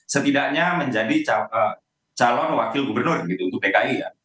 setidaknya menjadi calon wakil gubernur gitu untuk pki ya